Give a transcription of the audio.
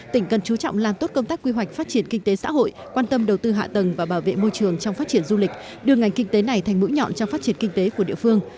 tỉnh cần chú trọng làm tốt công tác quy hoạch phát triển kinh tế xã hội quan tâm đầu tư hạ tầng và bảo vệ môi trường trong phát triển du lịch đưa ngành kinh tế này thành mũi nhọn trong phát triển kinh tế của địa phương